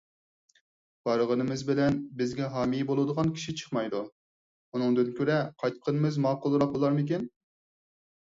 بارغىنىمىز بىلەن بىزگە ھامىي بولىدىغان كىشى چىقمايدۇ، ئۇنىڭدىن كۆرە قايتقىنىمىز ماقۇلراق بولارمىكىن؟